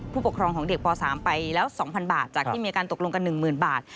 ผู้ปกครองของเด็กป๓ไปแล้ว๒๐๐บาทจากที่มีการตกลงกัน๑๐๐๐บาท